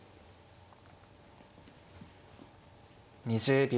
２０秒。